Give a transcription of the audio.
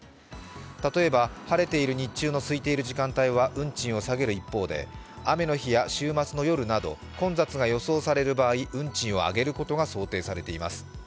例えば晴れている日中のすいている時間帯は運賃を下げる一方で雨の日や週末の夜など混雑が予想される場合運賃を上げることが想定されています。